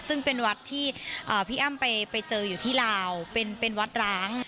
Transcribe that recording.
ซึ่งเป็นวัดที่พี่อ้ำไปเจออยู่ที่ลาวเป็นวัดร้าง